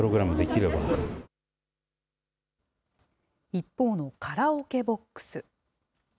一方のカラオケボックス。